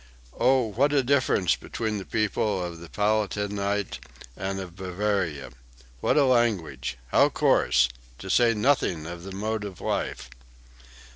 "Oh, what a difference between the people of the Palatinate and of Bavaria! What a language! How coarse! To say nothing of the mode of life!"